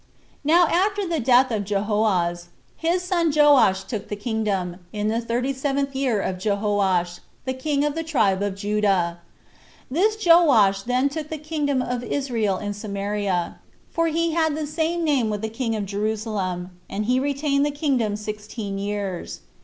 6. Now after the death of Jehoahaz, his son Joash took the kingdom, in the thirty seventh year of Jehoash, the king of the tribe of Judah. This Joash then took the kingdom of Israel in Samaria, for he had the same name with the king of Jerusalem, and he retained the kingdom sixteen years.